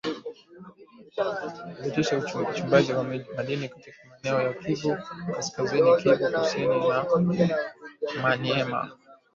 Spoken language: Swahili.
alisitisha uchimbaji wa madini katika maeneo ya kivu kaskazini kivu kusini na maniema